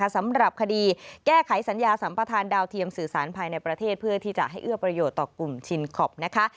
สำหรับคดีแก้ไขสัญญาสัมประธานดาวเทียมสื่อสารภายในประเทศเพื่อที่จะให้เอื้อประโยชน์ต่อกลุ่มชินคอปนะคะ